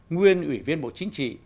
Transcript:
nguyên ủy viên bộ chính trị